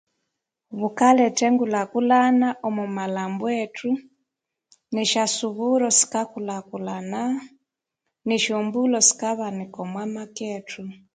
Bukaletha engulhakulhana omwamalhambo ethu nesyosuburo sikakulhakulhana nesyombulho sikabanika omwamakethu